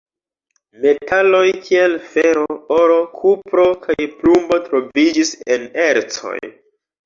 Metaloj kiel fero, oro, kupro kaj plumbo troviĝis en ercoj.